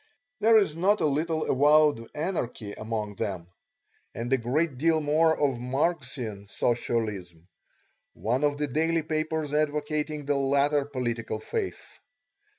There is not a little avowed Anarchy among them, and a great deal more of Marxian Socialism, one of the daily papers advocating the latter political faith.